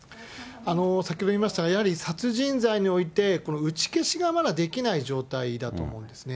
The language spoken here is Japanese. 先ほど言いましたが、やはり殺人罪において、打ち消しがまだできない状態だと思うんですね。